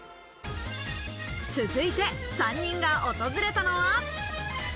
続いて３人が訪れたのは。